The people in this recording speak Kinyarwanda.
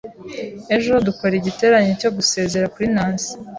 Ejo, dukora igiterane cyo gusezera kuri Nancy.